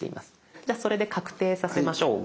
じゃそれで確定させましょう。